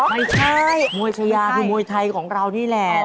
ไม่ใช่มวยชายาคือมวยไทยของเรานี่แหละ